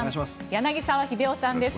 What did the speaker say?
柳澤秀夫さんです。